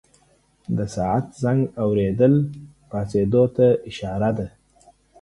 د ساعت زنګ اورېدل پاڅېدو ته اشاره ده.